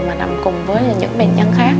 mà nằm cùng với những bệnh nhân khác